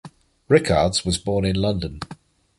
Rickards was born in London.